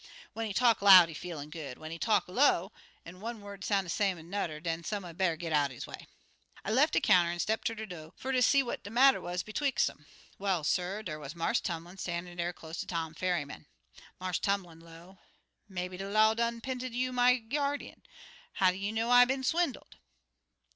When he talk loud, he feelin' good. When he talk low, an' one word soun' same ez anudder, den somebody better git out'n his way. I lef' de counter an' step ter de do' fer ter see what de matter wuz betwix' um. "Well, suh, dar wuz Marse Tumlin stan'in' dar close ter Tom Ferryman. Marse Tumlin, low, 'Maybe de law done 'pinted you my gyardeen. How you know I been swindled?'